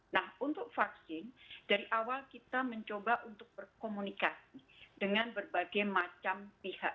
nah untuk vaksin dari awal kita mencoba untuk berkomunikasi dengan berbagai macam pihak